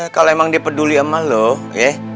kalau emang dia peduli sama lo ya